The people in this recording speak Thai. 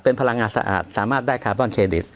เป็นพลังงานสะอาดสามารถได้คาร์บอนเครดิต